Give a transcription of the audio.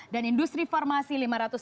dan industri farmasi